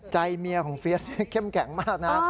ใจเมียของเฟียสเข้มแข็งมากนะ